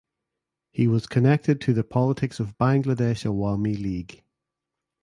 He was connected to the politics of Bangladesh Awami League.